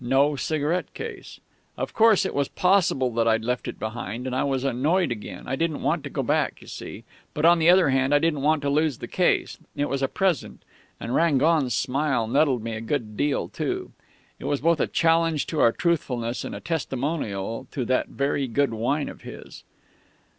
No cigarette case.... "Of course, it was possible that I'd left it behind, and I was annoyed again. I didn't want to go back, you see.... But, on the other hand, I didn't want to lose the case it was a present and Rangon's smile nettled me a good deal, too. It was both a challenge to our truthfulness and a testimonial to that very good wine of his....